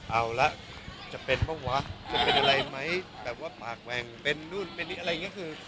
เอาละจะเป็นเปล่าวะจะเป็นอะไรไหมแบบว่าปากแหว่งเป็นนู่นเป็นนี่อะไรอย่างนี้คือ